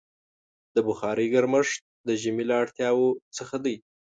د بخارۍ ګرمښت د ژمي له اړتیاوو څخه دی.